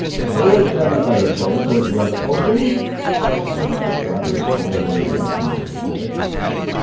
"There is then a better choice towards the other Ocean?" demanded the squatter, pointing in the direction of the Pacific.